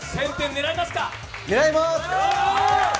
狙います！